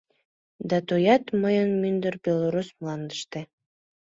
Да тоят мыйым мӱндыр белорус мландыште.